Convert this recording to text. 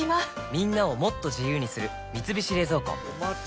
みんなをもっと自由にする「三菱冷蔵庫」